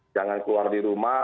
jangan keluar di rumah